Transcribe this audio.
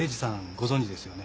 ご存じですよね？